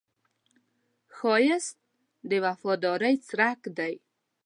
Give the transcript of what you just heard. ښایست د وفادارۍ څرک دی